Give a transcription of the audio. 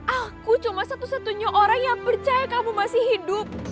aku cuma satu satunya orang yang percaya kamu masih hidup